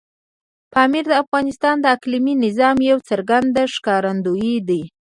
پامیر د افغانستان د اقلیمي نظام یو څرګند ښکارندوی دی.